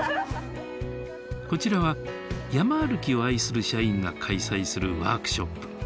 こちらは山歩きを愛する社員が開催するワークショップ。